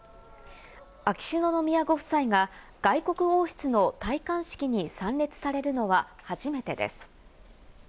秋篠宮ご夫妻が外国王室の戴冠式に参列されるのは初めてです。